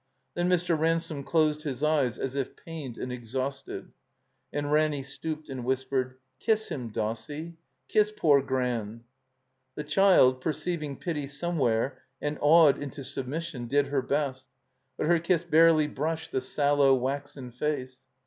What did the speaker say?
Then Mr. Ransome closed his eyes as if pained and exhausted. And Ranny stooped and whispered, "Kiss him, Dossie, kiss poor Gran." The child, perceiving pity somewhere and awed into submission, did her best, but her kiss barely brushed the sallow, waxen face.